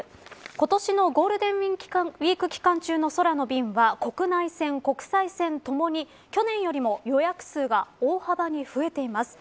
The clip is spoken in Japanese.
今年のゴールデンウイーク期間中の空の便は、国内線、国際線ともに去年よりも予約数が大幅に増えています。